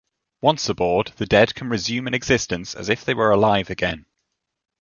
Once aboard, the dead can resume an existence as if they were alive again.